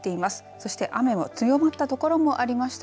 そして雨も強まったところもありました。